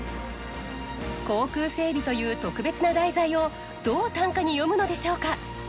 航空整備という特別な題材をどう短歌に詠むのでしょうか。